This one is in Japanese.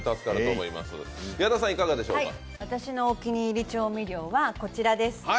私のお気に入り調味料は、こちらです。